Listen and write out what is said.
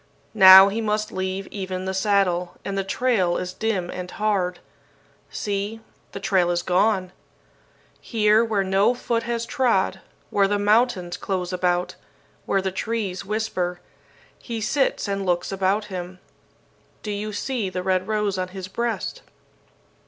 Now he must leave even the saddle, and the trail is dim and hard. See, the trail is gone! Here, where no foot has trod, where the mountains close about, where the trees whisper, he sits and looks about him. Do you see the red rose on his breast?